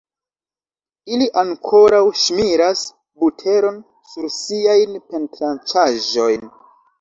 Ili ankoraŭ ŝmiras buteron sur siajn pantranĉaĵojn.